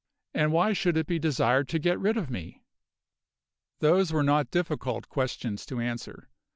And why should it be desired to get rid of me? Those were not difficult questions to answer.